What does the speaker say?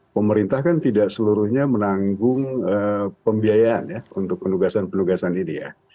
pemerintah kan tidak seluruhnya menanggung pembiayaan ya untuk penugasan penugasan ini ya